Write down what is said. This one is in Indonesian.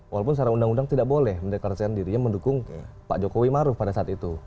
walaupun secara undang undang tidak boleh mendeklarasikan dirinya mendukung pak jokowi maruf pada saat itu